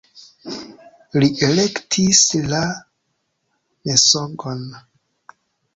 Li elektis la mensogon.